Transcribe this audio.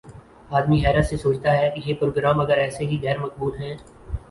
آدمی حیرت سے سوچتا ہے: یہ پروگرام اگر ایسے ہی غیر مقبول ہیں